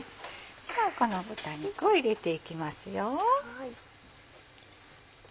この豚肉を入れていきますよ。